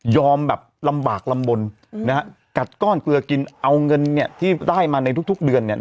แบบลำบากลำบลนะฮะกัดก้อนเกลือกินเอาเงินเนี่ยที่ได้มาในทุกทุกเดือนเนี่ย